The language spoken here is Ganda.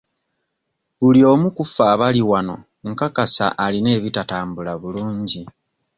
Buli omu ku ffe abali wano nkakasa alina ebitatambula bulungi.